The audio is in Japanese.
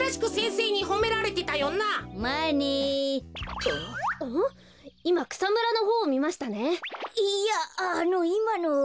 いやあのいまのは。